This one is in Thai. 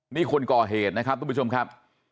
นี่คนก่อเหตุนะครับทุกผู้ชมครับ